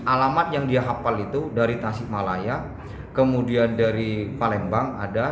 alamat yang dia hafal itu dari tasikmalaya kemudian dari palembang ada